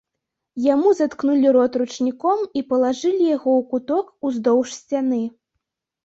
Яму заткнулі рот ручніком і палажылі яго ў куток ўздоўж сцяны.